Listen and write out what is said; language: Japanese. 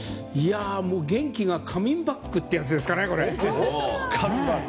元気がカミンバックってやつですかね。